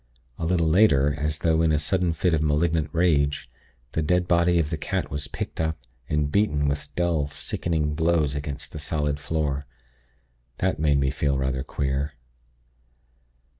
A little later, as though in a sudden fit of malignant rage, the dead body of the cat was picked up, and beaten with dull, sickening blows against the solid floor. That made me feel rather queer.